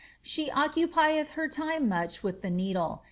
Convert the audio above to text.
She occupicth her time much with flie needle.